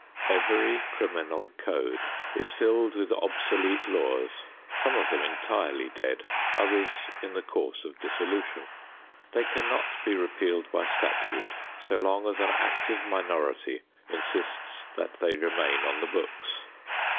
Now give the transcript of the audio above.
Every criminal code is filled with obsolete laws, some of them entirely dead, others in the course of dissolution. They cannot be repealed by statute so long as an active minority insists that they remain on the books.